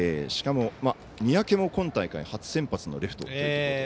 しかも三宅も今大会初先発のレフト。